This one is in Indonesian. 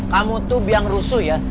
kamu tuh biang rusuh ya